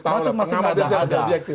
masih masih tidak ada